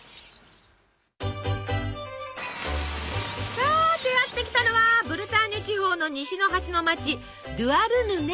さてやって来たのはブルターニュ地方の西の端の町ドゥアルヌネ。